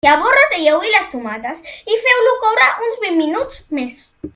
Llavors ratlleu-hi les tomates i feu-ho coure uns vint minuts més.